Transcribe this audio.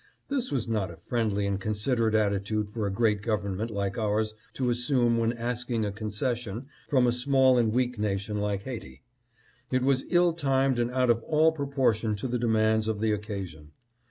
This was not a friendly and considerate attitude for a great government like ours to assume when asking a concession from a small and weak nation like Haiti. It was ill timed and out of all proportion to the demands of the occasion.